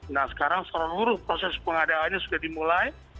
nah sekarang seluruh proses pengadaannya sudah dimulai